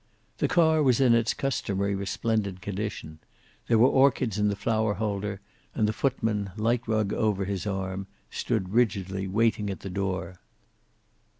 The car was in its customary resplendent condition. There were orchids in the flower holder, and the footman, light rug over his arm, stood rigidly waiting at the door.